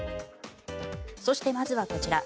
そして、まずはこちら。